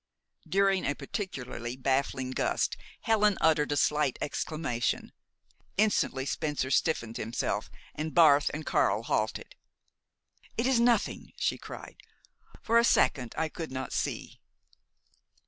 During a particularly baffling gust Helen uttered a slight exclamation. Instantly Spencer stiffened himself, and Barth and Karl halted. "It is nothing," she cried. "For a second I could not see."